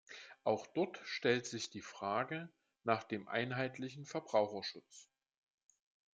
Auch dort stellt sich die Frage nach dem einheitlichen Verbraucherschutz.